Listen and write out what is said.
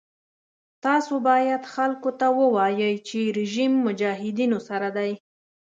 تاسو باید خلکو ته ووایئ چې رژیم مجاهدینو سره دی.